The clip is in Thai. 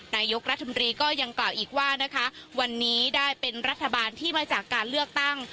นายกรัฐมนตรีก็ยังกล่าวอีกว่านะคะวันนี้ได้เป็นรัฐบาลที่มาจากการเลือกตั้ง